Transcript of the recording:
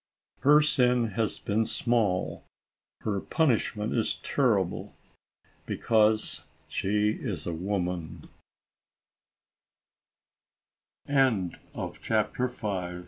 Her sin has been small, her punishment is terrible, — because she is a woman. CHAPTER VI.